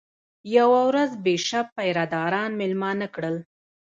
یوه ورځ بیشپ پیره داران مېلمانه کړل.